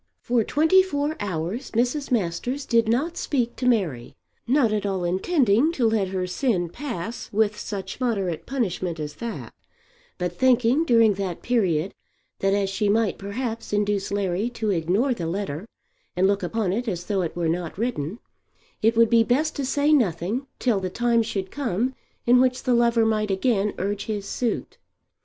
For twenty four hours Mrs. Masters did not speak to Mary, not at all intending to let her sin pass with such moderate punishment as that, but thinking during that period that as she might perhaps induce Larry to ignore the letter and look upon it as though it were not written, it would be best to say nothing till the time should come in which the lover might again urge his suit.